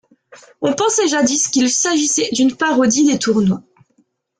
On pensait jadis qu'il s'agissait d'une parodie des tournois.